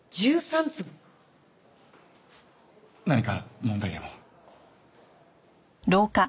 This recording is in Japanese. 何か問題でも？